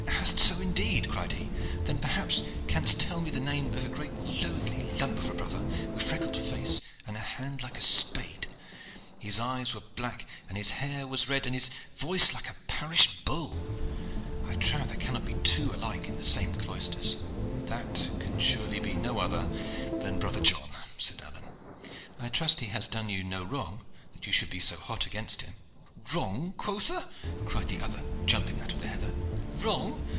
"Hast so indeed?" cried he. "Then perhaps canst tell me the name of a great loathly lump of a brother wi' freckled face an' a hand like a spade. His eyes were black an' his hair was red an' his voice like the parish bull. I trow that there cannot be two alike in the same cloisters." "That surely can be no other than brother John," said Alleyne. "I trust he has done you no wrong, that you should be so hot against him." "Wrong, quotha?" cried the other, jumping out of the heather. "Wrong!